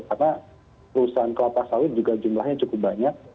karena perusahaan kelapa sawit juga jumlahnya cukup banyak